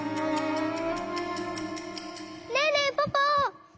ねえねえポポ！